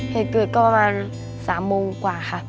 เหตุผลก็ประมาณสามโมงกว่าค่ะ